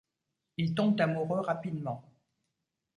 Ils tombent amoureux rapidement.